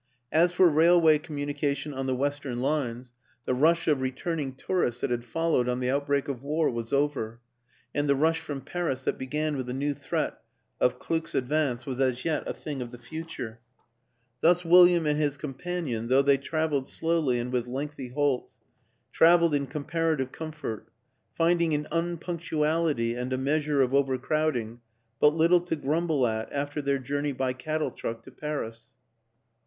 As for railway communication on the western lines, the rush of returning tourists that had followed on the out break of war was over, and the rush from Paris that began with the new threat of Kluck's advance was as yet a thing of the future. Thus William and his companion, though they traveled slowly and with lengthy halts, traveled in comparative comfort finding in unpunctuality and a measure of overcrowding but little to grumble at after their journey by cattle truck to Paris.